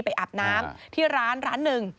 อาบน้ำที่ร้านร้านหนึ่ง